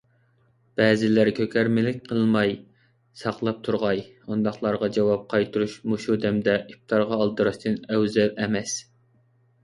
بەزىلەر كۆكەرمىلىك قىلماي ساقلاپ تۇرغاي. ئۇنداقلارغا جاۋاب قايتۇرۇش مۇشۇ دەمدە ئىپتارغا ئالدىراشتىن ئەۋزەل ئەمەس.